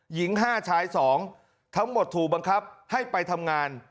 หญิง๕ชาย๒ทั้งหมดถูกบังคับให้ไปทำงาน